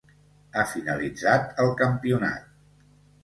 Ha finalitzat el campionat.